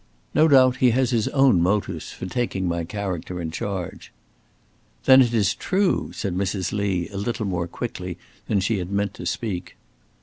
No doubt he has his own motives for taking my character in charge." "Then it is true!" said Mrs. Lee, a little more quickly than she had meant to speak.